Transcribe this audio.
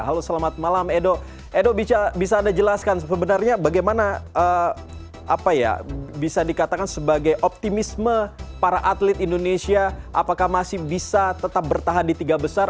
halo selamat malam edo edo bisa anda jelaskan sebenarnya bagaimana apa ya bisa dikatakan sebagai optimisme para atlet indonesia apakah masih bisa tetap bertahan di tiga besar